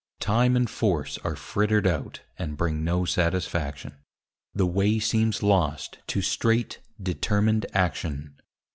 Time and Force Are frittered out and bring no satisfaction. The way seems lost to straight determined action.